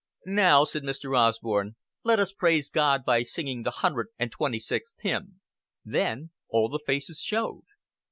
"Now," said Mr. Osborn, "let us praise God by singing the hundred and twenty sixth hymn." Then all the faces showed.